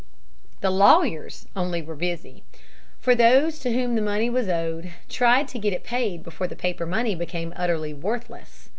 The lawyers only were busy. For those to whom money was owed tried to get it paid before the paper money became utterly worthless.